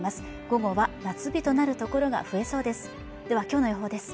午後は夏日となる所が増えそうです